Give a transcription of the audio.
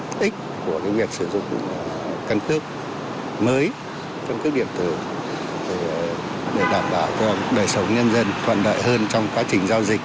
cái ích của cái việc sử dụng căn cước mới trong các điểm từ để đảm bảo cho đời sống nhân dân toàn đại hơn trong quá trình giao dịch